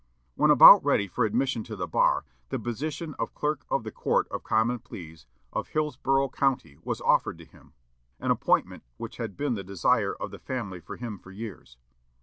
When about ready for admission to the bar, the position of Clerk of the Court of Common Pleas of Hillsborough County was offered to him, an appointment which had been the desire of the family for him for years.